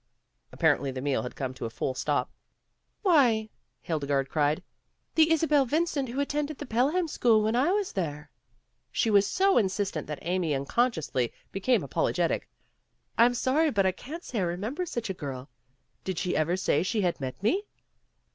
Apparently the meal had come to a full stop. "Why," Hildegarde cried, "the Isabel Vin cent who attended the Pelham school when I was there." WHAT'S IN A NAME? 15 She was so insistent that Amy uncon sciously became apologetic. "I'm sorry but I can't say I remember such a girl. Did she ever say she had met me?"